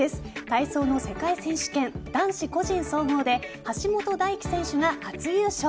体操の世界選手権男子個人総合で橋本大輝選手が初優勝。